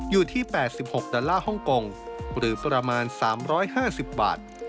อยู่ที่๘๖ดอลลาร์ฮ่องกงหรือประมาณ๓๕๐บาท